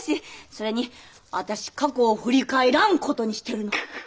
それに私過去は振り返らんことにしてるの。